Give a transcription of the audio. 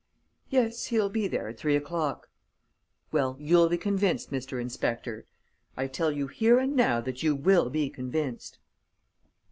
"Yes, he'll be there at three o'clock." "Well, you'll be convinced, Mr. Inspector! I tell you here and now that you will be convinced."